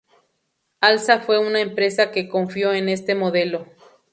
Alsa fue una empresa que confío en este modelo.